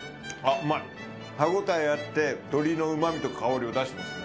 歯応えあって鶏のうま味と香りを出してますね。